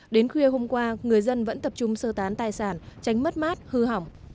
đến khuya hôm qua người dân vẫn tập trung sơ tán tài sản tránh mất mát hư hỏng